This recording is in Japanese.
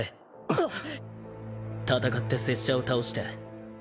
あっ！